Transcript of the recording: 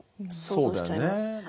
そうだよね。